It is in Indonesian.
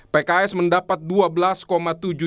pks mendapat dua enam juta suara